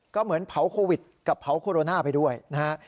ก็เหมือนเผาโควิดกับเผาโคโรนาไปด้วยนะฮะ